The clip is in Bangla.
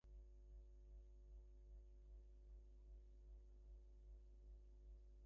তার পরও তাঁদের মধ্যে ন্যূনতম সৌজন্যবোধ থাকাটা জরুরি বলে মন্তব্য করেছেন তিনি।